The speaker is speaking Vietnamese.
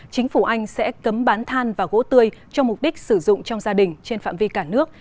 chính phủ anh sẽ cấm bán than và gỗ tươi cho mục đích sử dụng trong gia đình trên phạm vi cả nước